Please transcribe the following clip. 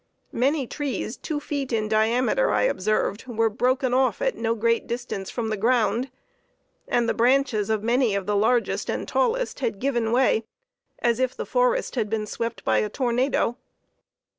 Many trees two feet in diameter, I observed, were broken off at no great distance from the ground; and the branches of many of the largest and tallest had given way, as if the forest had been swept by a tornado.